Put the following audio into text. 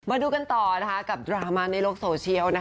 มาดูกันต่อกับดราม่าในโลกโซเชียล